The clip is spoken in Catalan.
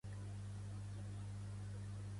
Fer-li la mirada del cocodril.